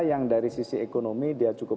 yang dari sisi ekonomi dia cukup